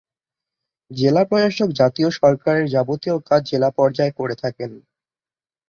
জেলা প্রশাসক জাতীয় সরকারের যাবতীয় কাজ জেলা পর্যায়ে করে থাকেন।